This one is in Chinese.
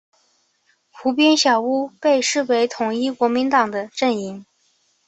湖边小屋被视为统一国民党的阵营。